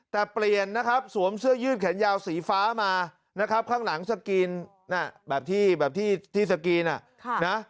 แต่เปลี่ยนนะครับสวมเสื้อยืดแขนยาวสีฟ้ามานะครับข้างหลังสกรีนแบบที่แบบที่สกรีน